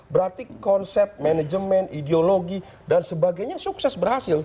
berarti konsep manajemen ideologi dan sebagainya sukses berhasil